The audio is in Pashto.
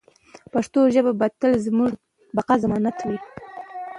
پښتو ژبه به تل زموږ د بقا ضمانت وي.